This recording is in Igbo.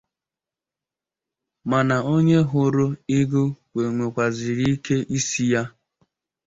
Mana onye hụrụ ighū nwèkwàzịrị ike isi ya.